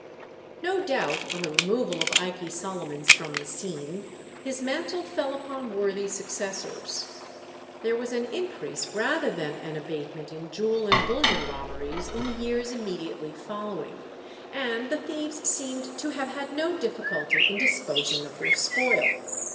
No doubt, on the removal of Ikey Solomons from the scene, his mantle fell upon worthy successors. There was an increase rather than an abatement in jewel and bullion robberies in the years immediately following, and the thieves seem to have had no difficulty in disposing of their spoil.